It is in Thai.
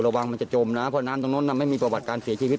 มันจะจมนะเพราะน้ำตรงนั้นไม่มีประวัติการเสียชีวิต